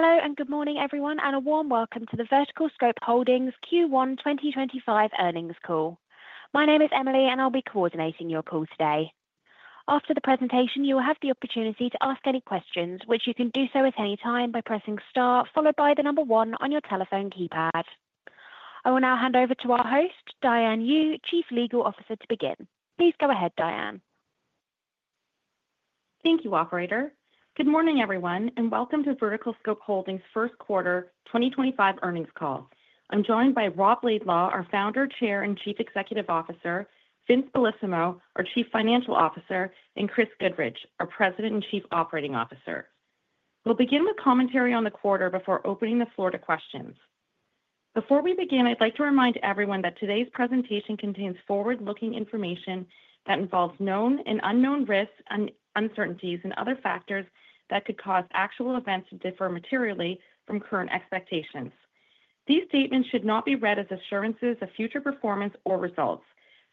Hello and good morning, everyone, and a warm welcome to the VerticalScope Holdings Q1 2025 earnings call. My name is Emily, and I'll be coordinating your call today. After the presentation, you will have the opportunity to ask any questions, which you can do so at any time by pressing star, followed by the number one on your telephone keypad. I will now hand over to our host, Diane Yu, Chief Legal Officer, to begin. Please go ahead, Diane. Thank you, Operator. Good morning, everyone, and welcome to VerticalScope Holdings' first quarter 2025 earnings call. I'm joined by Rob Laidlaw, our Founder, Chair, and Chief Executive Officer, Vincenzo Bellissimo, our Chief Financial Officer, and Chris Goodridge, our President and Chief Operating Officer. We'll begin with commentary on the quarter before opening the floor to questions. Before we begin, I'd like to remind everyone that today's presentation contains forward-looking information that involves known and unknown risks, uncertainties, and other factors that could cause actual events to differ materially from current expectations. These statements should not be read as assurances of future performance or results.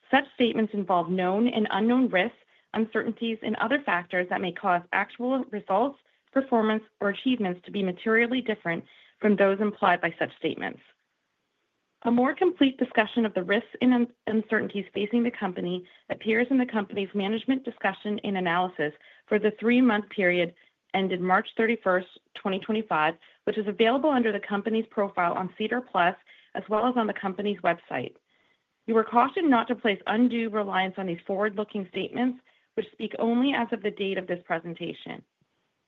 Such statements involve known and unknown risks, uncertainties, and other factors that may cause actual results, performance, or achievements to be materially different from those implied by such statements. A more complete discussion of the risks and uncertainties facing the company appears in the company's management discussion and analysis for the three-month period ended March 31, 2025, which is available under the company's profile on SEDAR+, as well as on the company's website. You are cautioned not to place undue reliance on these forward-looking statements, which speak only as of the date of this presentation.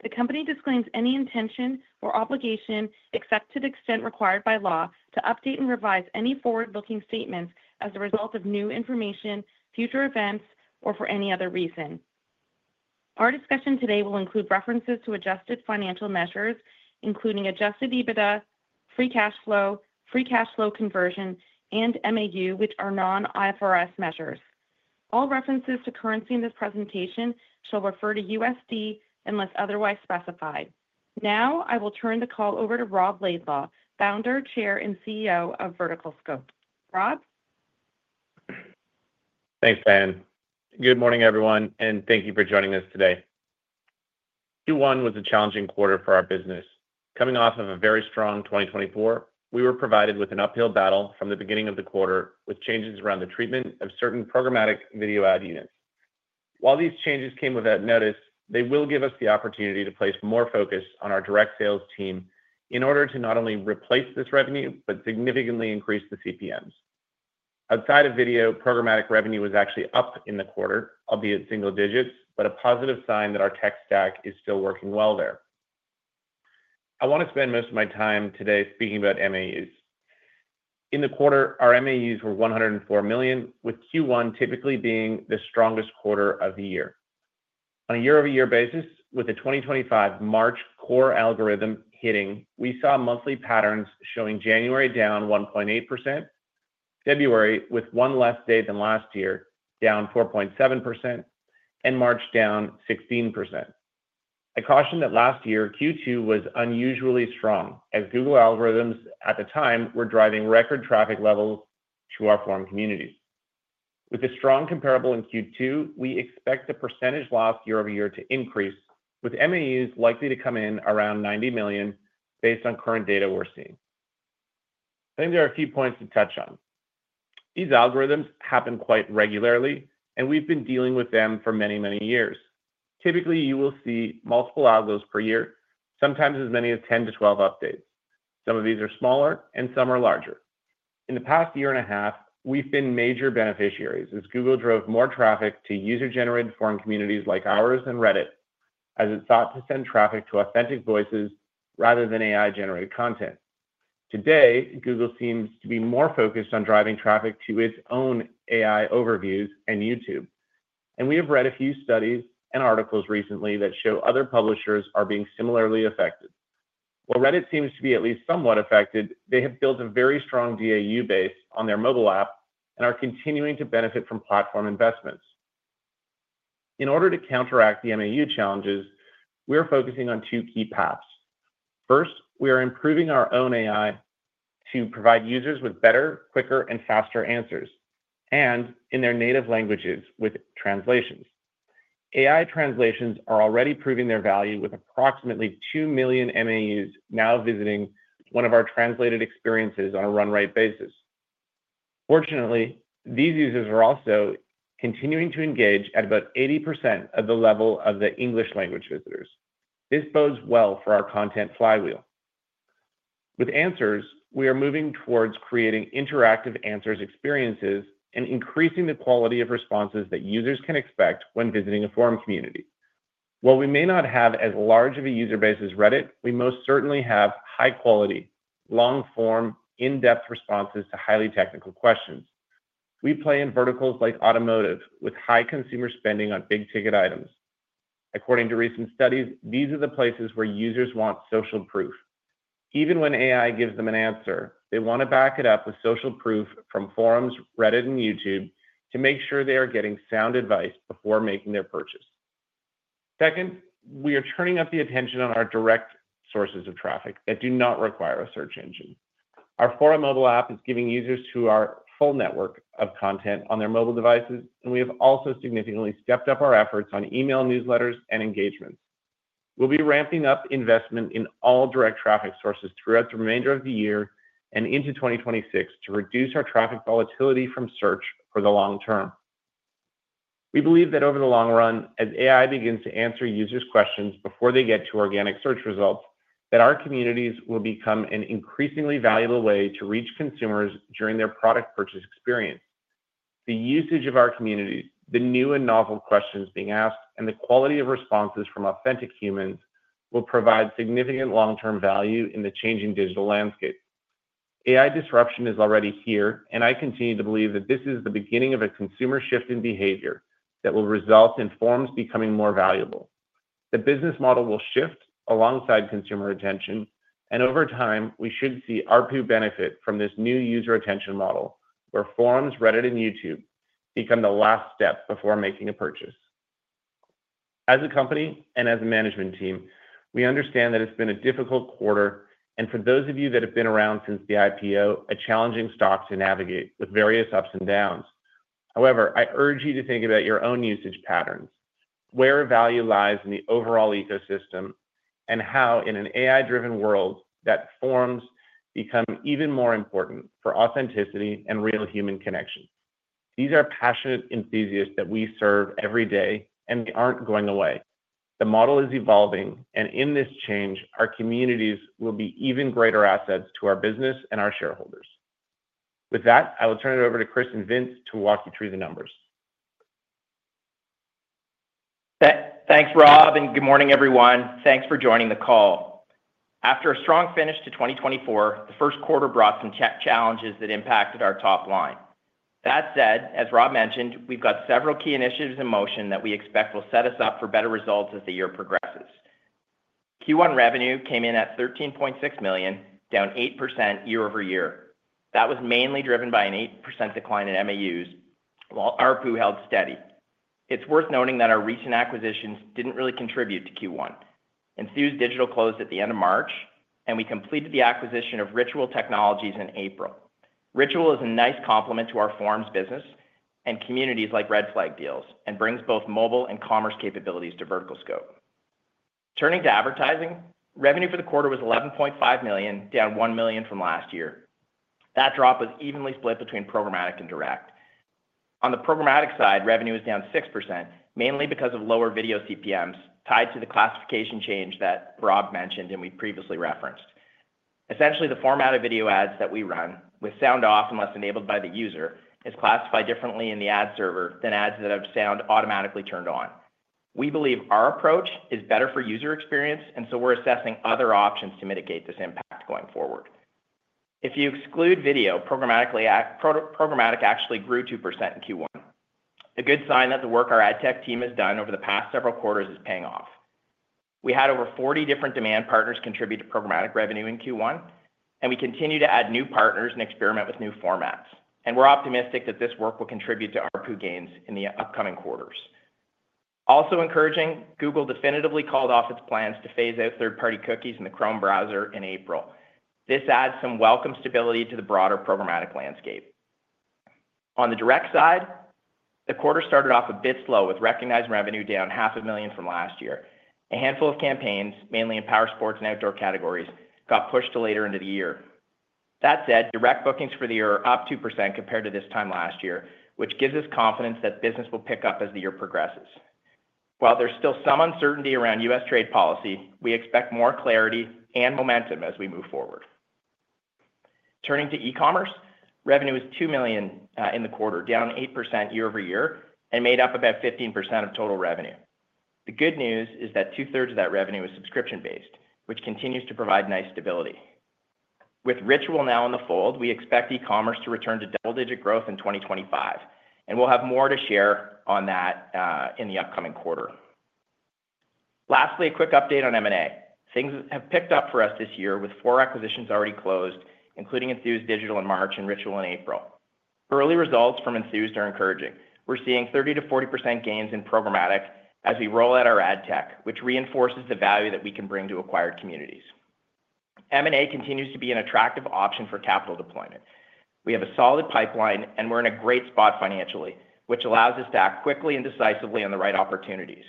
The company disclaims any intention or obligation, except to the extent required by law, to update and revise any forward-looking statements as a result of new information, future events, or for any other reason. Our discussion today will include references to adjusted financial measures, including adjusted EBITDA, free cash flow, free cash flow conversion, and MAU, which are non-IFRS measures. All references to currency in this presentation shall refer to USD unless otherwise specified. Now, I will turn the call over to Rob Laidlaw, Founder, Chair, and CEO of VerticalScope. Rob? Thanks, Diane. Good morning, everyone, and thank you for joining us today. Q1 was a challenging quarter for our business. Coming off of a very strong 2024, we were provided with an uphill battle from the beginning of the quarter with changes around the treatment of certain programmatic video ad units. While these changes came without notice, they will give us the opportunity to place more focus on our direct sales team in order to not only replace this revenue but significantly increase the CPMs. Outside of video, programmatic revenue was actually up in the quarter, albeit single digits, but a positive sign that our tech stack is still working well there. I want to spend most of my time today speaking about MAUs. In the quarter, our MAUs were 104 million, with Q1 typically being the strongest quarter of the year. On a year-over-year basis, with the 2025 March core algorithm hitting, we saw monthly patterns showing January down 1.8%, February with one less day than last year, down 4.7%, and March down 16%. I caution that last year, Q2 was unusually strong, as Google algorithms at the time were driving record traffic levels to our foreign communities. With a strong comparable in Q2, we expect the percentage loss year-over-year to increase, with MAUs likely to come in around 90 million based on current data we're seeing. I think there are a few points to touch on. These algorithms happen quite regularly, and we've been dealing with them for many, many years. Typically, you will see multiple algos per year, sometimes as many as 10-12 updates. Some of these are smaller, and some are larger. In the past year and a half, we've been major beneficiaries as Google drove more traffic to user-generated forum communities like ours and Reddit, as it sought to send traffic to authentic voices rather than AI-generated content. Today, Google seems to be more focused on driving traffic to its own AI overviews and YouTube. We have read a few studies and articles recently that show other publishers are being similarly affected. While Reddit seems to be at least somewhat affected, they have built a very strong Diane Yu base on their mobile app and are continuing to benefit from platform investments. In order to counteract the MAU challenges, we are focusing on two key paths. First, we are improving our own AI to provide users with better, quicker, and faster answers, and in their native languages with translations. AI translations are already proving their value with approximately 2 million MAUs now visiting one of our translated experiences on a run-rate basis. Fortunately, these users are also continuing to engage at about 80% of the level of the English language visitors. This bodes well for our content flywheel. With answers, we are moving towards creating interactive answers experiences and increasing the quality of responses that users can expect when visiting a foreign community. While we may not have as large of a user base as Reddit, we most certainly have high-quality, long-form, in-depth responses to highly technical questions. We play in verticals like automotive with high consumer spending on big-ticket items. According to recent studies, these are the places where users want social proof. Even when AI gives them an answer, they want to back it up with social proof from forums, Reddit, and YouTube to make sure they are getting sound advice before making their purchase. Second, we are turning up the attention on our direct sources of traffic that do not require a search engine. Our Forum mobile app is giving users to our full network of content on their mobile devices, and we have also significantly stepped up our efforts on email newsletters and engagements. We will be ramping up investment in all direct traffic sources throughout the remainder of the year and into 2026 to reduce our traffic volatility from search for the long term. We believe that over the long run, as AI begins to answer users' questions before they get to organic search results, our communities will become an increasingly valuable way to reach consumers during their product purchase experience. The usage of our communities, the new and novel questions being asked, and the quality of responses from authentic humans will provide significant long-term value in the changing digital landscape. AI disruption is already here, and I continue to believe that this is the beginning of a consumer shift in behavior that will result in forums becoming more valuable. The business model will shift alongside consumer attention, and over time, we should see our benefit from this new user attention model where forums, Reddit, and YouTube become the last step before making a purchase. As a company and as a management team, we understand that it's been a difficult quarter, and for those of you that have been around since the IPO, a challenging stock to navigate with various ups and downs. However, I urge you to think about your own usage patterns, where value lies in the overall ecosystem, and how in an AI-driven world that forums become even more important for authenticity and real human connection. These are passionate enthusiasts that we serve every day, and they aren't going away. The model is evolving, and in this change, our communities will be even greater assets to our business and our shareholders. With that, I will turn it over to Chris and Vince to walk you through the numbers. Thanks, Rob, and good morning, everyone. Thanks for joining the call. After a strong finish to 2024, the first quarter brought some challenges that impacted our top line. That said, as Rob mentioned, we've got several key initiatives in motion that we expect will set us up for better results as the year progresses. Q1 revenue came in at $13.6 million, down 8% year-over-year. That was mainly driven by an 8% decline in MAUs, while our pool held steady. It's worth noting that our recent acquisitions did not really contribute to Q1. Enthus Digital closed at the end of March, and we completed the acquisition of Ritual Technologies in April. Ritual is a nice complement to our forums business and communities like Red Flag Deals and brings both mobile and commerce capabilities to VerticalScope. Turning to advertising, revenue for the quarter was $11.5 million, down $1 million from last year. That drop was evenly split between programmatic and direct. On the programmatic side, revenue is down 6%, mainly because of lower video CPMs tied to the classification change that Rob mentioned and we previously referenced. Essentially, the format of video ads that we run, with sound off unless enabled by the user, is classified differently in the ad server than ads that have sound automatically turned on. We believe our approach is better for user experience, and so we're assessing other options to mitigate this impact going forward. If you exclude video, programmatic actually grew 2% in Q1. A good sign that the work our ad tech team has done over the past several quarters is paying off. We had over 40 different demand partners contribute to programmatic revenue in Q1, and we continue to add new partners and experiment with new formats. We are optimistic that this work will contribute to our pool gains in the upcoming quarters. Also encouraging, Google definitively called off its plans to phase out third-party cookies in the Chrome browser in April. This adds some welcome stability to the broader programmatic landscape. On the direct side, the quarter started off a bit slow with recognized revenue down $500,000 from last year. A handful of campaigns, mainly in power sports and outdoor categories, got pushed to later into the year. That said, direct bookings for the year are up 2% compared to this time last year, which gives us confidence that business will pick up as the year progresses. While there is still some uncertainty around U.S. trade policy, we expect more clarity and momentum as we move forward. Turning to e-commerce, revenue was $2 million in the quarter, down 8% year-over-year, and made up about 15% of total revenue. The good news is that 2/3 of that revenue is subscription-based, which continues to provide nice stability. With Ritual now in the fold, we expect e-commerce to return to double-digit growth in 2025, and we'll have more to share on that in the upcoming quarter. Lastly, a quick update on M&A. Things have picked up for us this year with four acquisitions already closed, including Enthused Digital in March and Ritual in April. Early results from Enthused are encouraging. We're seeing 30%-40% gains in programmatic as we roll out our ad tech, which reinforces the value that we can bring to acquired communities. M&A continues to be an attractive option for capital deployment. We have a solid pipeline, and we're in a great spot financially, which allows us to act quickly and decisively on the right opportunities.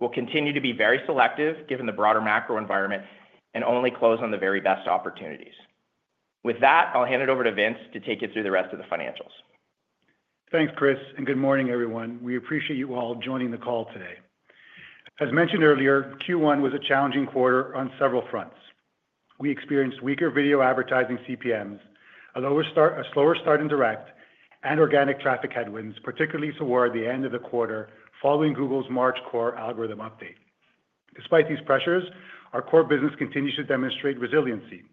We'll continue to be very selective given the broader macro environment and only close on the very best opportunities. With that, I'll hand it over to Vince to take you through the rest of the financials. Thanks, Chris, and good morning, everyone. We appreciate you all joining the call today. As mentioned earlier, Q1 was a challenging quarter on several fronts. We experienced weaker video advertising CPMs, a lower slower start in direct, and organic traffic headwinds, particularly toward the end of the quarter following Google's March core algorithm update. Despite these pressures, our core business continues to demonstrate resiliency.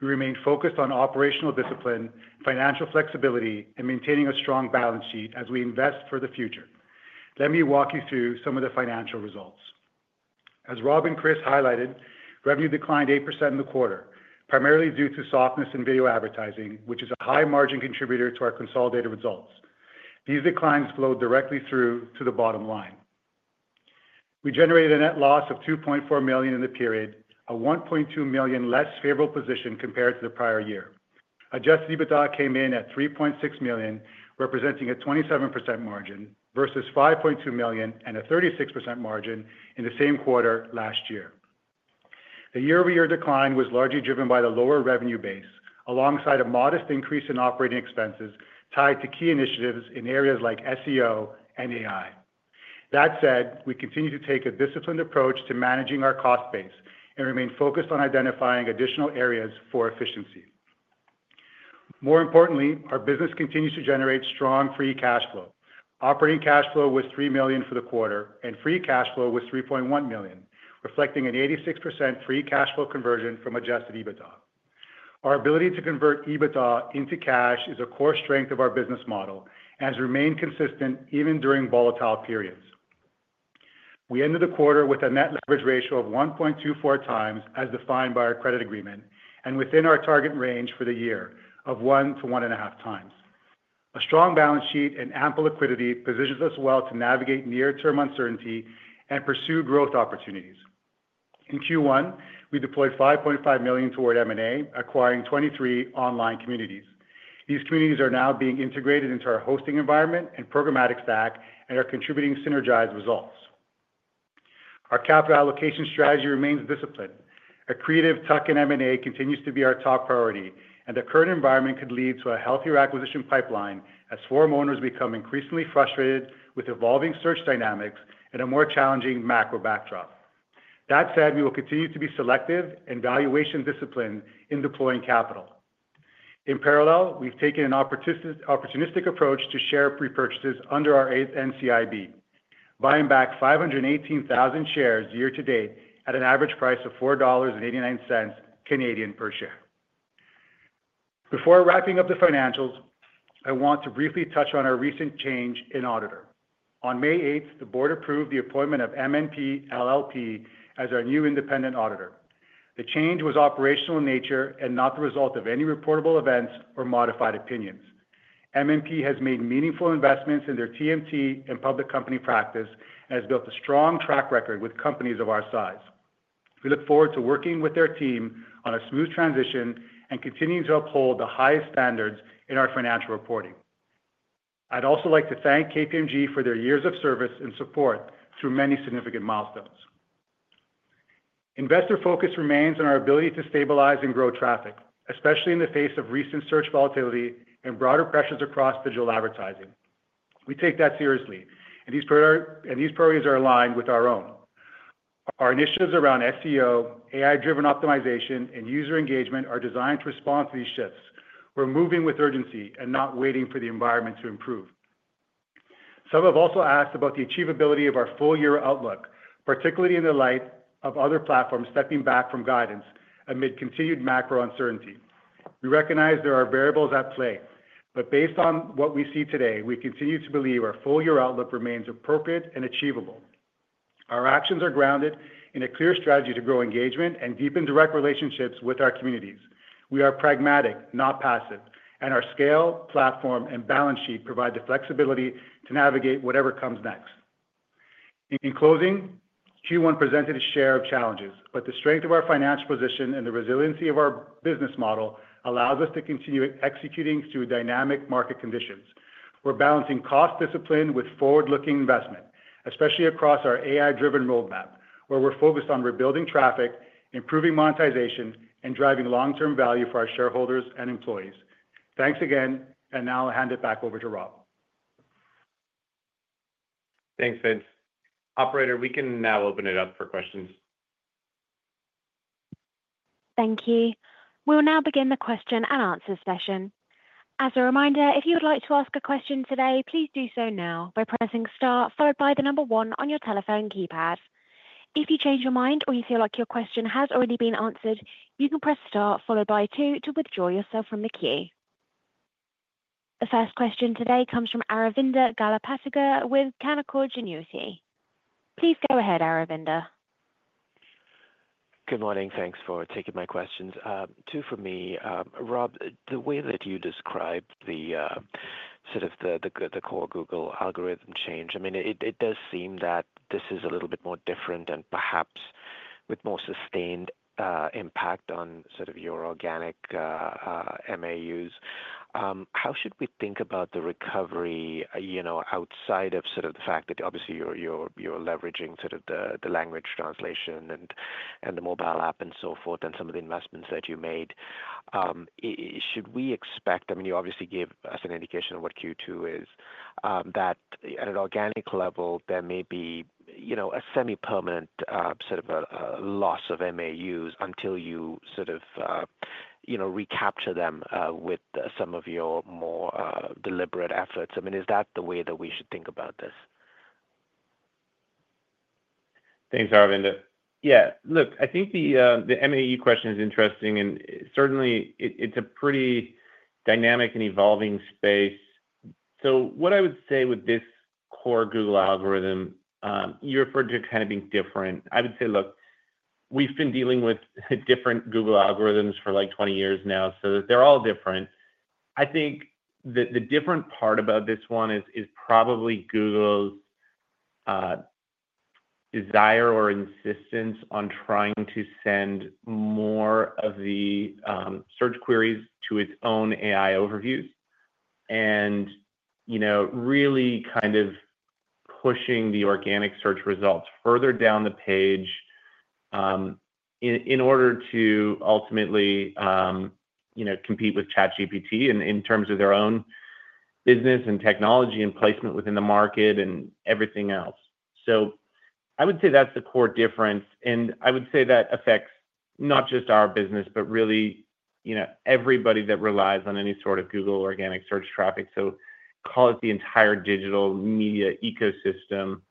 We remain focused on operational discipline, financial flexibility, and maintaining a strong balance sheet as we invest for the future. Let me walk you through some of the financial results. As Rob and Chris highlighted, revenue declined 8% in the quarter, primarily due to softness in video advertising, which is a high-margin contributor to our consolidated results. These declines flowed directly through to the bottom line. We generated a net loss of $2.4 million in the period, a $1.2 million less favorable position compared to the prior year. Adjusted EBITDA came in at $3.6 million, representing a 27% margin versus $5.2 million and a 36% margin in the same quarter last year. The year-over-year decline was largely driven by the lower revenue base alongside a modest increase in operating expenses tied to key initiatives in areas like SEO and AI. That said, we continue to take a disciplined approach to managing our cost base and remain focused on identifying additional areas for efficiency. More importantly, our business continues to generate strong free cash flow. Operating cash flow was $3 million for the quarter and free cash flow was $3.1 million, reflecting an 86% free cash flow conversion from adjusted EBITDA. Our ability to convert EBITDA into cash is a core strength of our business model and has remained consistent even during volatile periods. We ended the quarter with a net leverage ratio of 1.24x as defined by our credit agreement and within our target range for the year of 1x-1.5x. A strong balance sheet and ample liquidity positions us well to navigate near-term uncertainty and pursue growth opportunities. In Q1, we deployed $5.5 million toward M&A, acquiring 23 online communities. These communities are now being integrated into our hosting environment and programmatic stack and are contributing synergized results. Our capital allocation strategy remains disciplined. A creative tuck-in M&A continues to be our top priority, and the current environment could lead to a healthier acquisition pipeline as forum owners become increasingly frustrated with evolving search dynamics and a more challenging macro backdrop. That said, we will continue to be selective and valuation disciplined in deploying capital. In parallel, we have taken an opportunistic approach to share repurchases under our NCIB, buying back 518,000 shares year-to-date at an average price of 4.89 Canadian dollars per share. Before wrapping up the financials, I want to briefly touch on our recent change in auditor. On May 8, the board approved the appointment of MNP LLP as our new independent auditor. The change was operational in nature and not the result of any reportable events or modified opinions. MNP has made meaningful investments in their TMT and public company practice and has built a strong track record with companies of our size. We look forward to working with their team on a smooth transition and continuing to uphold the highest standards in our financial reporting. I'd also like to thank KPMG for their years of service and support through many significant milestones. Investor focus remains on our ability to stabilize and grow traffic, especially in the face of recent search volatility and broader pressures across digital advertising. We take that seriously, and these priorities are aligned with our own. Our initiatives around SEO, AI-driven optimization, and user engagement are designed to respond to these shifts. We're moving with urgency and not waiting for the environment to improve. Some have also asked about the achievability of our full-year outlook, particularly in the light of other platforms stepping back from guidance amid continued macro uncertainty. We recognize there are variables at play, but based on what we see today, we continue to believe our full-year outlook remains appropriate and achievable. Our actions are grounded in a clear strategy to grow engagement and deepen direct relationships with our communities. We are pragmatic, not passive, and our scale, platform, and balance sheet provide the flexibility to navigate whatever comes next. In closing, Q1 presented a share of challenges, but the strength of our financial position and the resiliency of our business model allows us to continue executing through dynamic market conditions. We're balancing cost discipline with forward-looking investment, especially across our AI-driven roadmap, where we're focused on rebuilding traffic, improving monetization, and driving long-term value for our shareholders and employees. Thanks again, and now I'll hand it back over to Rob. Thanks, Vince. Operator, we can now open it up for questions. Thank you. We'll now begin the question and answer session. As a reminder, if you would like to ask a question today, please do so now by pressing star followed by the number one on your telephone keypad. If you change your mind or you feel like your question has already been answered, you can press star followed by two to withdraw yourself from the queue. The first question today comes from Aravinda Galappaththige with Canaccord Genuity. Please go ahead, Aravinda. Good morning. Thanks for taking my questions. Two for me. Rob, the way that you described the sort of the core Google algorithm change, I mean, it does seem that this is a little bit more different and perhaps with more sustained impact on sort of your organic MAUs. How should we think about the recovery outside of sort of the fact that obviously you're leveraging sort of the language translation and the mobile app and so forth and some of the investments that you made? Should we expect, I mean, you obviously gave us an indication of what Q2 is, that at an organic level, there may be a semi-permanent sort of loss of MAUs until you sort of recapture them with some of your more deliberate efforts. I mean, is that the way that we should think about this? Thanks, Aravinda. Yeah, look, I think the MAU question is interesting, and certainly it's a pretty dynamic and evolving space. What I would say with this core Google algorithm, you referred to kind of being different. I would say, look, we've been dealing with different Google algorithms for like 20 years now, so they're all different. I think the different part about this one is probably Google's desire or insistence on trying to send more of the search queries to its own AI overviews and really kind of pushing the organic search results further down the page in order to ultimately compete with ChatGPT in terms of their own business and technology and placement within the market and everything else. I would say that's the core difference, and I would say that affects not just our business, but really everybody that relies on any sort of Google organic search traffic, so call it the entire digital media ecosystem.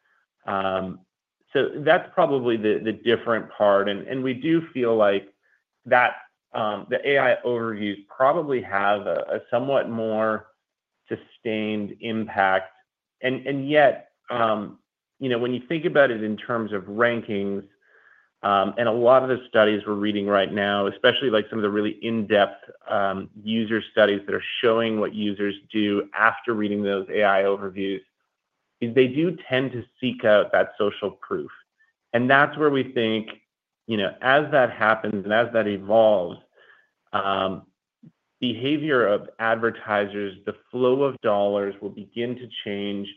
That's probably the different part, and we do feel like the AI overviews probably have a somewhat more sustained impact. Yet, when you think about it in terms of rankings, and a lot of the studies we're reading right now, especially like some of the really in-depth user studies that are showing what users do after reading those AI overviews, they do tend to seek out that social proof. That is where we think, as that happens and as that evolves, behavior of advertisers, the flow of dollars will begin to change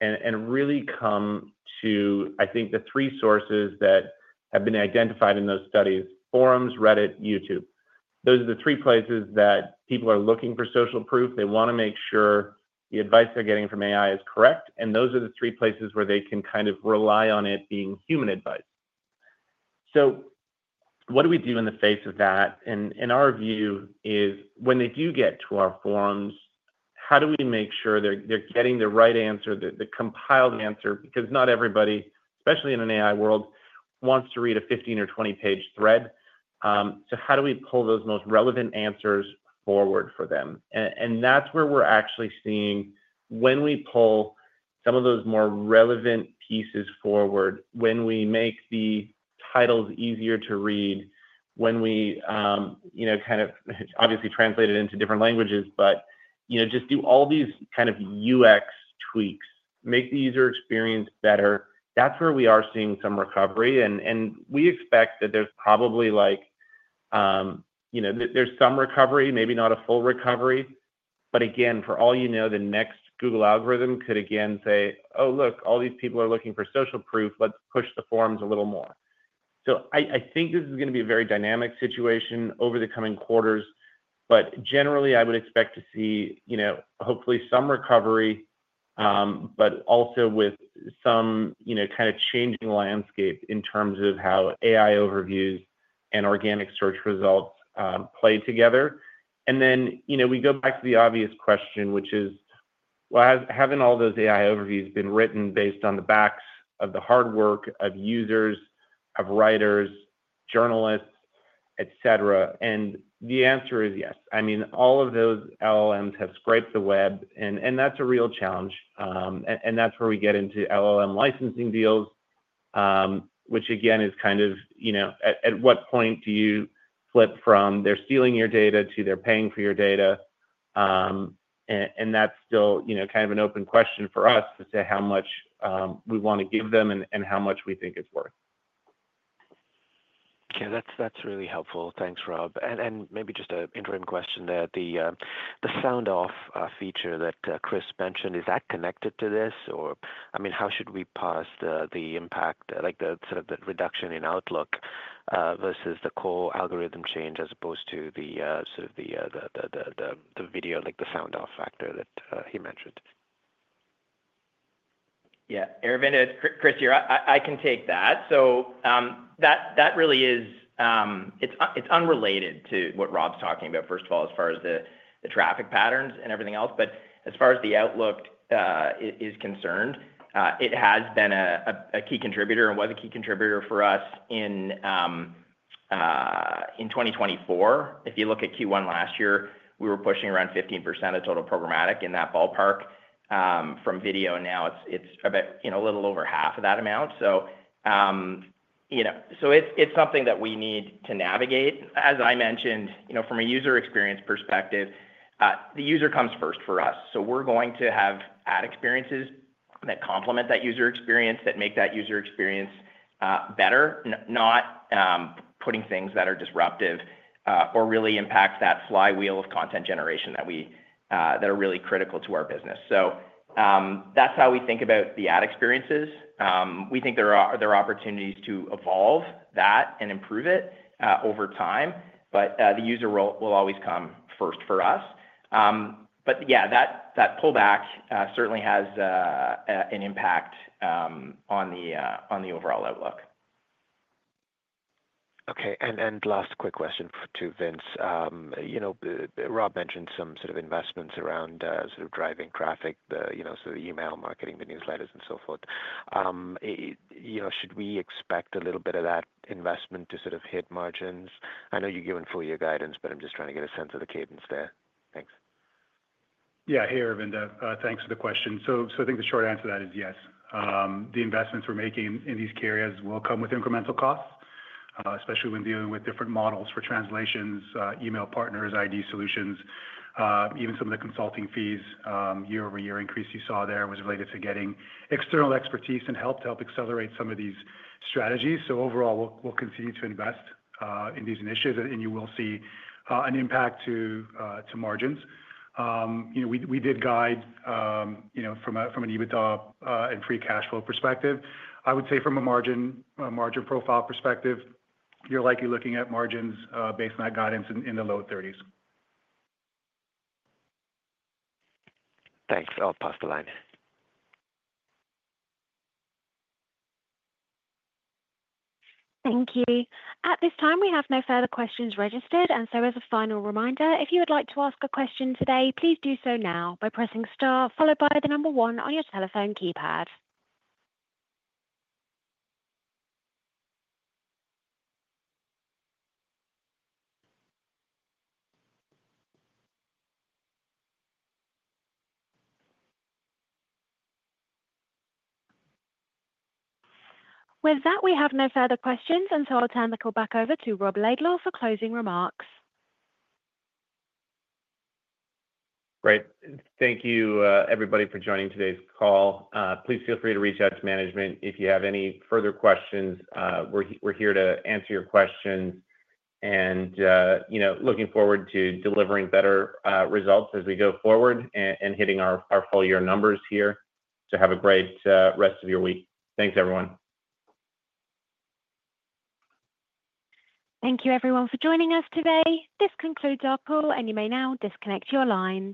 and really come to, I think, the three sources that have been identified in those studies: forums, Reddit, YouTube. Those are the three places that people are looking for social proof. They want to make sure the advice they're getting from AI is correct, and those are the three places where they can kind of rely on it being human advice. What do we do in the face of that? Our view is, when they do get to our forums, how do we make sure they're getting the right answer, the compiled answer? Because not everybody, especially in an AI world, wants to read a 15 or 20-page thread. How do we pull those most relevant answers forward for them? That is where we're actually seeing, when we pull some of those more relevant pieces forward, when we make the titles easier to read, when we kind of obviously translate it into different languages, but just do all these kind of UX tweaks, make the user experience better, that is where we are seeing some recovery. We expect that there's probably like there's some recovery, maybe not a full recovery. Again, for all you know, the next Google algorithm could again say, "Oh, look, all these people are looking for social proof. Let's push the forums a little more." I think this is going to be a very dynamic situation over the coming quarters, but generally, I would expect to see hopefully some recovery, but also with some kind of changing landscape in terms of how AI overviews and organic search results play together. We go back to the obvious question, which is, haven't all those AI overviews been written based on the backs of the hard work of users, of writers, journalists, etc.? The answer is yes. I mean, all of those LLMs have scraped the web, and that's a real challenge. That is where we get into LLM licensing deals, which again is kind of at what point do you flip from they're stealing your data to they're paying for your data? That is still kind of an open question for us as to how much we want to give them and how much we think it's worth. Okay, that's really helpful. Thanks, Rob. Maybe just an interim question there. The sound off feature that Chris mentioned, is that connected to this? I mean, how should we pass the impact, like the sort of the reduction in outlook versus the core algorithm change as opposed to the sort of the video, like the sound off factor that he mentioned? Yeah, Aravinda, Chris, I can take that. That really is, it's unrelated to what Rob's talking about, first of all, as far as the traffic patterns and everything else. As far as the outlook is concerned, it has been a key contributor and was a key contributor for us in 2024. If you look at Q1 last year, we were pushing around 15% of total programmatic in that ballpark. From video now, it's a little over half of that amount. It's something that we need to navigate. As I mentioned, from a user experience perspective, the user comes first for us. We're going to have ad experiences that complement that user experience, that make that user experience better, not putting things that are disruptive or really impact that flywheel of content generation that are really critical to our business. That's how we think about the ad experiences. We think there are opportunities to evolve that and improve it over time, but the user role will always come first for us. Yeah, that pullback certainly has an impact on the overall outlook. Okay, and last quick question to Vince. Rob mentioned some sort of investments around sort of driving traffic, the email marketing, the newsletters, and so forth. Should we expect a little bit of that investment to sort of hit margins? I know you're giving full year guidance, but I'm just trying to get a sense of the cadence there. Thanks. Yeah, hey, Aravinda. Thanks for the question. I think the short answer to that is yes. The investments we're making in these key areas will come with incremental costs, especially when dealing with different models for translations, email partners, ID solutions, even some of the consulting fees year-over-year increase you saw there was related to getting external expertise and help to help accelerate some of these strategies. Overall, we'll continue to invest in these initiatives, and you will see an impact to margins. We did guide from an EBITDA and free cash flow perspective. I would say from a margin profile perspective, you're likely looking at margins based on that guidance in the low 30%. Thanks. I'll pass the line. Thank you. At this time, we have no further questions registered. As a final reminder, if you would like to ask a question today, please do so now by pressing star followed by the number one on your telephone keypad. With that, we have no further questions, and I'll turn the call back over to Rob Laidlaw for closing remarks. Great. Thank you, everybody, for joining today's call. Please feel free to reach out to management if you have any further questions. We're here to answer your questions and looking forward to delivering better results as we go forward and hitting our full-year numbers here. Have a great rest of your week. Thanks, everyone. Thank you, everyone, for joining us today. This concludes our call, and you may now disconnect your line.